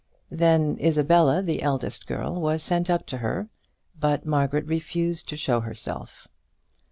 Then Isabella, the eldest girl, was sent up to her, but Margaret refused to show herself.